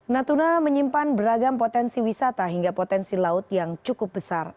natuna menyimpan beragam potensi wisata hingga potensi laut yang cukup besar